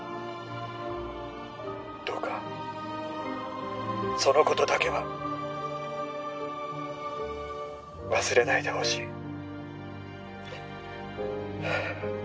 どうかそのことだけは忘れないでほしい。